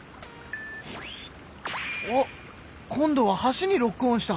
おっ今度は橋にロックオンした！